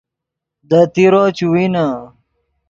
دے تیرو چے وینے